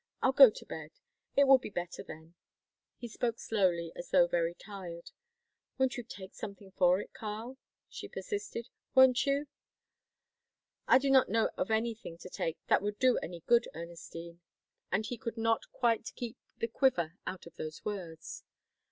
I'll go to bed. It will be better then." He spoke slowly, as though very tired. "Won't you take something for it, Karl?" she persisted. "Won't you?" "I do not know of anything to take that would do any good, Ernestine," and he could not quite keep the quiver out of those words.